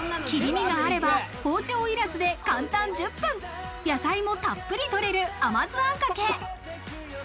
切り身があれば包丁いらずで簡単１０分、野菜もたっぷり摂れる甘酢あんかけ。